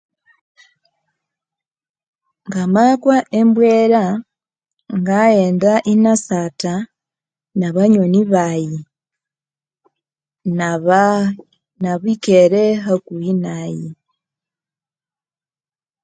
Ngamakwa embwera ngaghenda inasatha nabanyoni baghe naba nabikere hakuhi nayi.